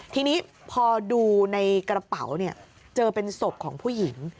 ทีนี้พอดูในกระเป๋าเจอเป็นศพของผู้หญิง